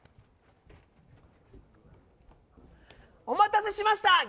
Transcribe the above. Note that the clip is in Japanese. お待たせしました！